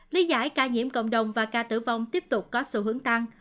lý giải ca nhiễm cộng đồng và ca tử vong tiếp tục có xu hướng tăng